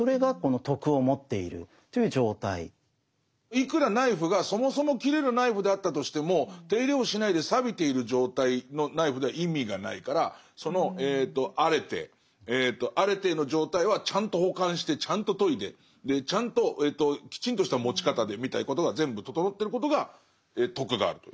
いくらナイフがそもそも切れるナイフであったとしても手入れをしないでさびている状態のナイフでは意味がないからそのアレテーアレテーの状態はちゃんと保管してちゃんと研いでちゃんときちんとした持ち方でみたいなことが全部整ってることが「徳がある」という。